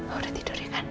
lo udah tidur ya kan